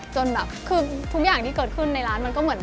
จนแบบคือทุกอย่างที่เกิดขึ้นในร้านมันก็เหมือน